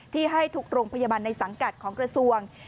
ที่ให้ทุกโรงพยาบาลในสังกัดของกระทรวง